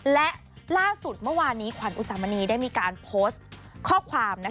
และล่าสุดเมื่อวานนี้ขวัญอุสามณีได้มีการโพสต์ข้อความ